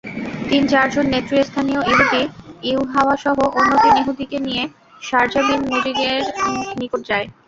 তিন-চারজন নেতৃস্থানীয় ইহুদী ইউহাওয়াসহ অন্য তিন ইহুদীকে নিয়ে শারযা বিন মুগীছের নিকট যায়।